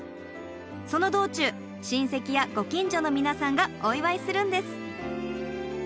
その道中親戚やご近所の皆さんがお祝いするんです。